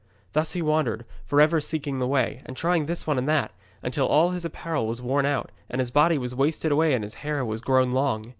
Thus he wandered, for ever seeking the way, and trying this one and that, until all his apparel was worn out, and his body was wasted away and his hair was grown long.